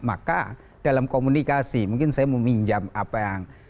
maka dalam komunikasi mungkin saya meminjam apa yang